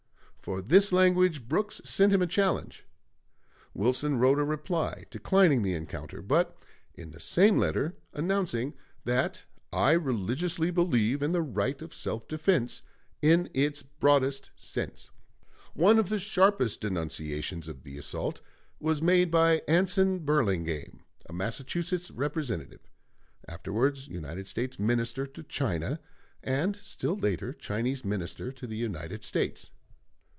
For this language Brooks sent him a challenge. Wilson wrote a reply declining the encounter, but in the same letter announcing that "I religiously believe in the right of self defense, in its broadest sense." One of the sharpest denunciations of the assault was made by Anson Burlingame, a Massachusetts Representative (afterwards United States Minister to China, and still later Chinese Minister to the United States).